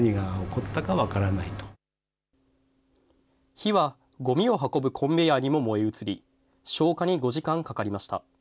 火はごみを運ぶコンベヤーにも燃え移り、消火に５時間かかりました。